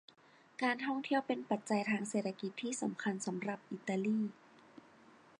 การท่องเที่ยวเป็นปัจจัยทางเศรษฐกิจที่สำคัญสำหรับอิตาลี